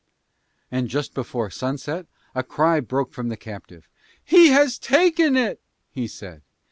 And just before sunset a cry broke from the captive. "He has taken it!" he said.